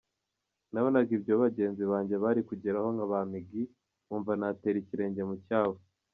Nabonaga ibyo bagenzi banjye bari kugeraho nka ba Miggy , nkumva natera ikirenge mu cyabo.